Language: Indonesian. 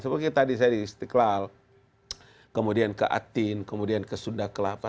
seperti tadi saya di istiqlal kemudian ke atin kemudian ke sunda kelapa